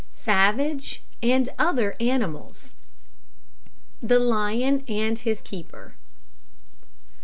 SAVAGE AND OTHER ANIMALS. THE LION AND HIS KEEPER.